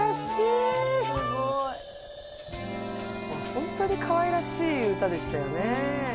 ほんとにかわいらしい歌でしたよねえ。